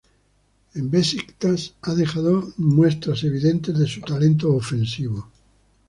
En Besiktas ha dejado muestras evidentes de su talento ofensivo.